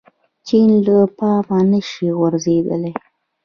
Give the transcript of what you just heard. چې له پامه نشي غورځیدلی.